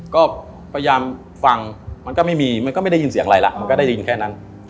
ก็พยายามฟังมันก็ไม่มีมันก็ไม่ได้ยินเสียงอะไรล่ะมันก็ได้ยินแค่นั้น